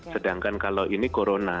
sedangkan kalau ini corona